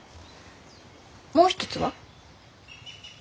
もう一つは？